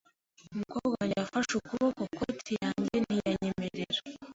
Umukobwa wanjye yafashe ukuboko koti yanjye ntiyanyemerera.